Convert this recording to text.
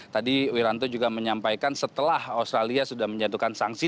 tadi wiranto juga menyampaikan setelah australia sudah menjatuhkan sanksi